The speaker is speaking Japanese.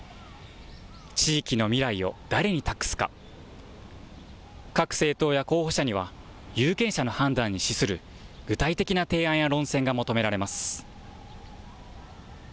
地域の未来を誰に託すか、各政党や候補者には有権者の判断に資する具体的な提案や論戦が求められます。